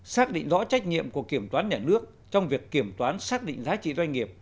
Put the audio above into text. xác định rõ trách nhiệm của kiểm toán nhà nước trong việc kiểm toán xác định giá trị doanh nghiệp